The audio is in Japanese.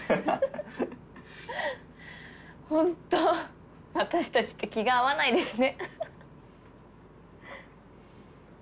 本当私たちって気が合わないですね。